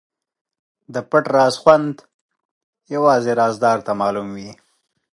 د پټ راز خوند یوازې رازدار ته معلوم وي.